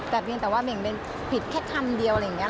แต่เพียงแต่ว่าเบ่งเป็นผิดแค่คำเดียวอะไรอย่างนี้